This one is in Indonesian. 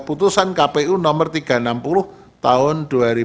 putusan kpu nomor tiga ratus enam puluh tahun dua ribu dua puluh